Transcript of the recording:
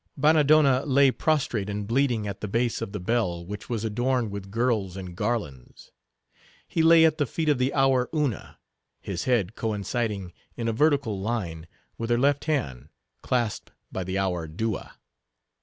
Bannadonna lay, prostrate and bleeding, at the base of the bell which was adorned with girls and garlands. He lay at the feet of the hour Una; his head coinciding, in a vertical line, with her left hand, clasped by the hour Dua.